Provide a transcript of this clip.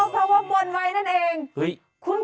เพราะว่าบนไว้นั่นเอง